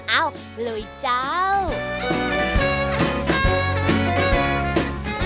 เอ้าเลยเจ้า